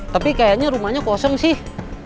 tapi kayaknya rumahnya kosong sih